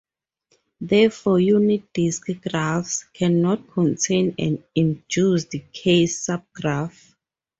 Therefore, unit disk graphs cannot contain an induced K subgraph.